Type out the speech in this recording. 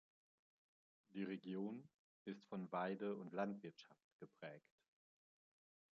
Die Region ist von Weide- und Landwirtschaft geprägt.